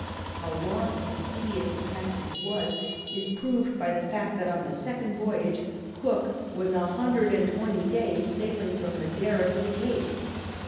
I tow long and tedious the x>assage was is xu'oved by the fjict that, on the second voyage, Cook was a hundred and twenty days sailing from Madeira to the Cape.